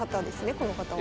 この方は。